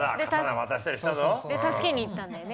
で助けに行ったんだよね。